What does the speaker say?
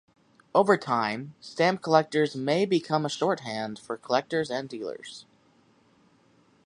Over time, stamp numbers may become a shorthand for collectors and dealers.